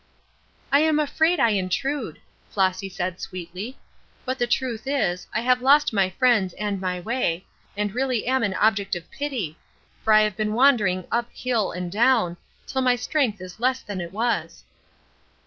"I'm afraid I intrude," Flossy said, sweetly; "but the truth is, I have lost my friends and my way, and I really am an object of pity, for I have been wandering up hill and down, till my strength is less than it was."